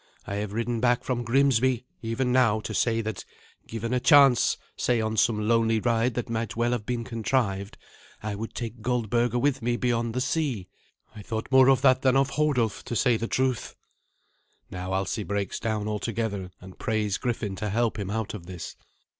I have ridden back from Grimsby even now to say that, given a chance, say on some lonely ride, that might well have been contrived, I would take Goldberga with me beyond the sea. I thought more of that than of Hodulf, to say the truth." Now Alsi breaks down altogether, and prays Griffin to help him out of this.